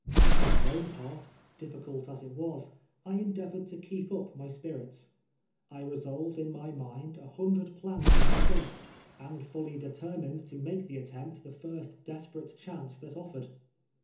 For my own part, diffi cult as it Avas, I endeavored to keep up my spirit^^. I resolved in mj mind a hundred plans of escape, and fully determined to make the attempt the first despe rate chance tliat offered.